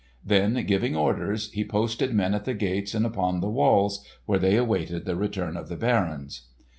Then giving orders, he posted men at the gates and upon the walls, where they awaited the return of the barons.